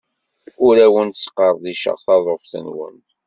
Ur awen-sqerdiceɣ taḍuft-nwen.